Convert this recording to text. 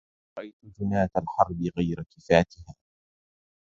رأيت جناة الحرب غير كفاتها